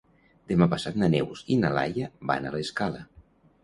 Demà passat na Neus i na Laia van a l'Escala.